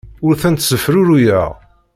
Ur tent-ssefruruyeɣ.